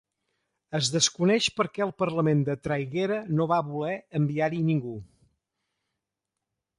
Es desconeix per què el Parlament de Traiguera no va voler enviar-hi ningú.